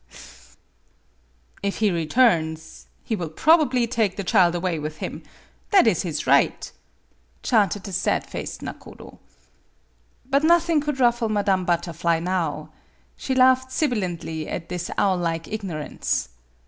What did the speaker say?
Aha, ha, ha! "" If he returns he will probably take the child away with him that is his right," chanted the sad faced nakodo. But nothing could ruffle Madame Butterfly now. She laughed sibilantly at this owl like ignorance.